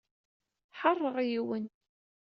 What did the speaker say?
Ḥeṛṛeɣ yiwen.